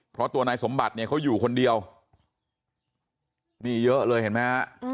เพราะตัวนายสมบัติเนี่ยเขาอยู่คนเดียวนี่เยอะเลยเห็นไหมฮะ